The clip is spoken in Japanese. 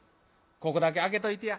ここだけ開けといてや」。